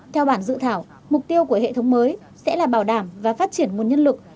theo bản dự thảo mục tiêu của hệ thống mới sẽ là bảo đảm và phát triển nguồn nhân lực